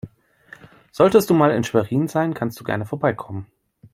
Solltest du mal in Schwerin sein, kannst du gerne vorbeikommen.